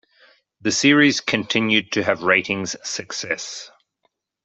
The series continued to have ratings success.